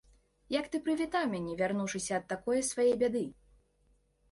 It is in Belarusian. Як ты прывітаў мяне, вярнуўшыся ад такое свае бяды?